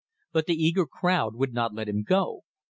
But the eager crowd would not let him go.